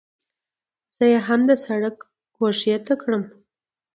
زه یې هم د سړک ګوښې ته کړم.